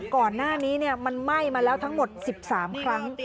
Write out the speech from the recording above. ก่อนหน้านี้มันไหม้มาแล้วทั้งหมด๑๓ครั้ง